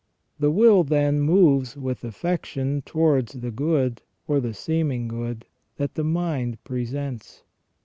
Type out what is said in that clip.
The will, then, moves with affection towards the good, or the seeming good, that the mind presents.